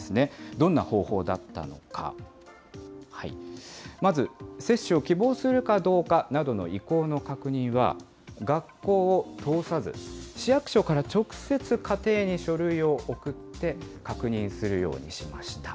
どんな方法だったのか、まず、接種を希望するかどうかなどの意向の確認は、学校を通さず、市役所から直接家庭に書類を送って確認するようにしました。